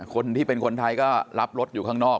คนที่เป็นคนไทยก็รับรถอยู่ข้างนอก